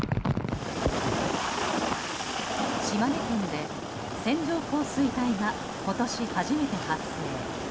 島根県で線状降水帯が今年初めて発生。